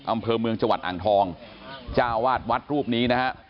อำเภอเมืองจังหวัดอ่างทองจ้าวาดวัดรูปนี้นะฮะ